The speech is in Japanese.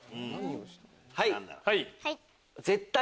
はい。